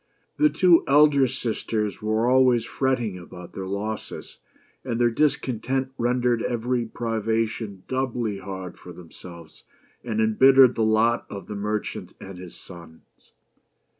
The two elder sisters were always fretting about their losses, and their discontent rendered every privation doubly hard for themselves, and embittered the lot of the merchant and his sons.